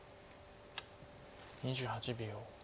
２８秒。